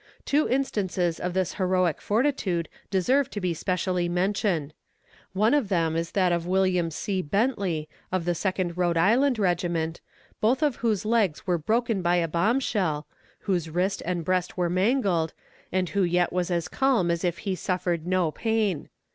Two instances of this heroic fortitude deserve to be specially mentioned. One of them is that of William C. Bentley, of the Second Rhode Island regiment, both of whose legs were broken by a bomb shell, whose wrist and breast were mangled, and who yet was as calm as if he suffered no pain.